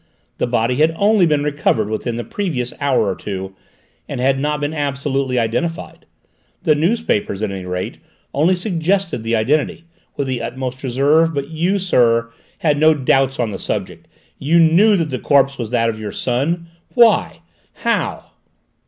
The body had only been recovered within the previous hour or two, and had not been absolutely identified; the newspapers, at any rate, only suggested the identity, with the utmost reserve. But you, sir, had no doubt on the subject! You knew that the corpse was that of your son! Why? How?"